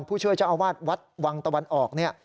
ผู้ช่วยเจ้าอาวาสวัดวังตะวันออกเนี่ย